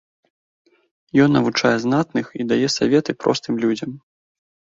Ён навучае знатных і дае саветы простым людзям.